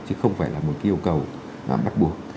chứ không phải là một cái yêu cầu bắt buộc